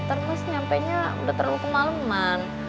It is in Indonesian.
ntar mas nyampainya udah terlalu kemaleman